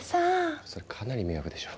それかなり迷惑でしょ。